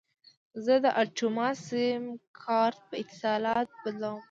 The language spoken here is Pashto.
زه د اټوما سیم کارت په اتصالات بدلوم.